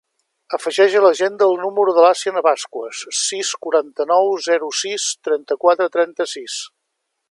Afegeix a l'agenda el número de l'Assia Navascues: sis, quaranta-nou, zero, sis, trenta-quatre, trenta-sis.